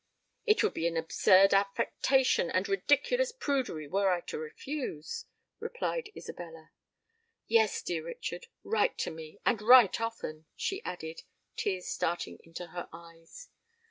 "It would be an absurd affectation and a ridiculous prudery, were I to refuse you," replied Isabella. "Yes, dear Richard—write to me;—and write often," she added, tears starting into her eyes.